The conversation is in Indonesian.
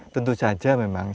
tentu saja memang